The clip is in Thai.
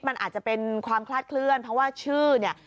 มันอาจจะเป็นความคลาดเคลื่อนเพราะว่าชื่อเนี่ย